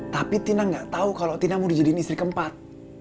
tapi tina nggak tau kalo tina mau dijadiin istri keempat